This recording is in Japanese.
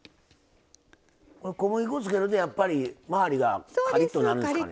小麦粉つけるとやっぱり周りがカリッとなるんですかね？